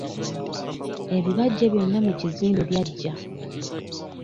Ebibajje byonna mu kizimbe byaggya.